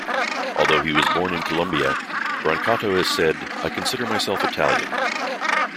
Although he was born in Colombia, Brancato has said, I consider myself Italian.